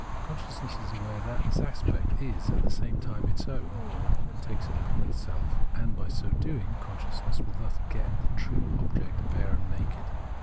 Consciousness is aware that this aspect is at the same time its own, and takes it upon itself ; and by so doing consciousness will thus get the true object bare and naked.